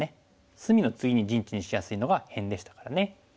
隅の次に陣地にしやすいのが辺でしたからね。